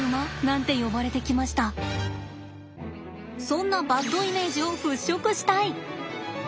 そんなバッドイメージを払拭したい！